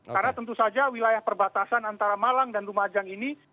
karena tentu saja wilayah perbatasan antara malang dan lumajang ini